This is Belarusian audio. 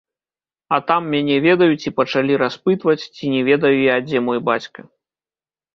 А там мяне ведаюць і пачалі распытваць, ці не ведаю я, дзе мой бацька.